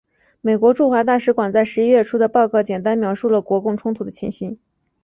美国驻华大使馆在十一月初的报告简单描述了国共冲突的情形。